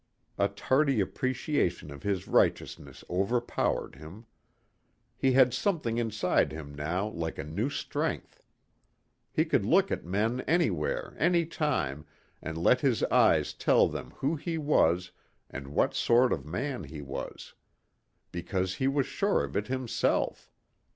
A tardy appreciation of his righteousness overpowered him. He had something inside him now like a new strength. He could look at men anywhere, anytime, and let his eyes tell them who he was and what sort of man he was. Because he was sure of it himself.